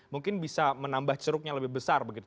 mungkin bisa menambah ceruknya lebih besar begitu